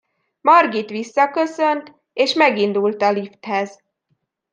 Margit visszaköszönt, és megindult a lifthez.